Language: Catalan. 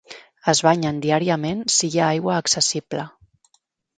Es banyen diàriament si hi ha aigua accessible.